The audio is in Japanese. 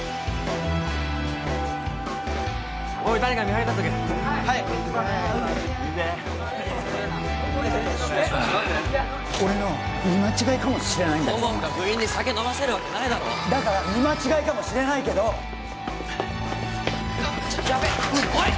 ・誰か見張り立っとけ・はい俺の見間違いかもしれないけど顧問が部員に酒飲ませるわけないだろだから見間違いかもしれないけどヤベッ！